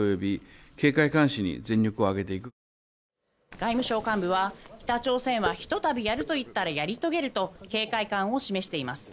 外務省幹部は北朝鮮はひとたびやると言ったらやり遂げると警戒感を示しています。